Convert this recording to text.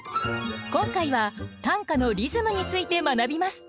今回は短歌のリズムについて学びます。